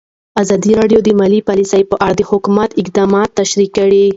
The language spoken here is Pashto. ازادي راډیو د مالي پالیسي په اړه د حکومت اقدامات تشریح کړي.